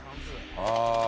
ああ。